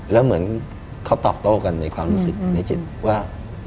แล้วเหมือนเขาตอบโต้กันในความรู้สึกในจิตว่า